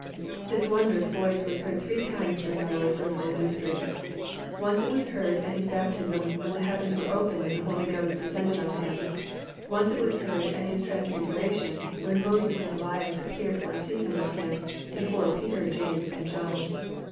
This wondrous Voice was heard three times during onr Lord's earthly ministry. Once it was heard at His baptism, when the heavens were opened and the Holy Ghost descended on Him. Once it was heard at His transfiguration, when Moses and Elias appeared for a season with Him, before Peter, James, and John.